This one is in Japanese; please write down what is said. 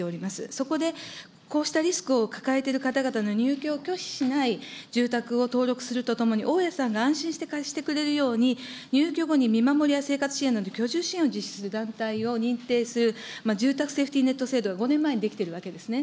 そこで、こうしたリスクを抱えている方々の入居を拒否しない住宅を登録するとともに、大家さんが安心して貸してくれるように、入居後に見守りや生活支援など、居住支援を実施する団体を認定する、住宅セーフティーネット制度、５年前に出来ているわけですね。